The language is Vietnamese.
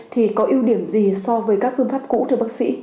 thì có ưu điểm gì so với các phương pháp cũ thưa bác sĩ